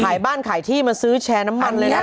ขายบ้านขายที่มาซื้อแชร์น้ำมันเลยนะ